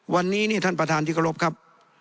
วันนี้นี่ท่านประธานที่เคารพครับ